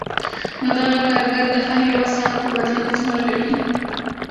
نو دغه کارګر د هر یوه ساعت په بدل کې څومره ګټي